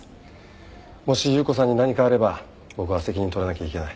もし裕子さんに何かあれば僕は責任取らなきゃいけない。